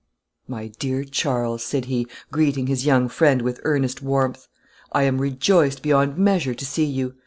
"My dear Charles," said he, greeting his young friend with earnest warmth, "I am rejoiced beyond measure to see you.